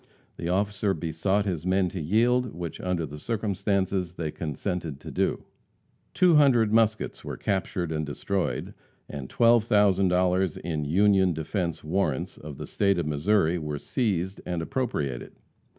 The officer besought his men to yield, which under the circumstances they consented to do. Two hundred muskets were captured and destroyed, and $12,000 in "Union Defence Warrants," of the State of Missouri, were seized and appropriated.